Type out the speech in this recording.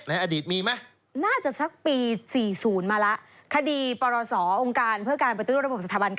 ในอดีตมีไหม